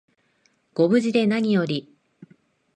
ご無事でなにより